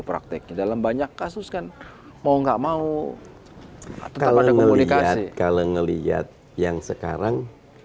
prakteknya dalam banyak kasus kan mau nggak mau atau komunikasi kalau ngelihat yang sekarang